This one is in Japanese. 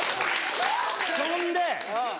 そんで。